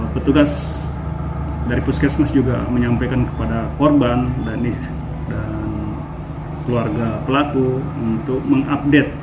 petugas dari puskesmas juga menyampaikan kepada korban dan keluarga pelaku untuk mengupdate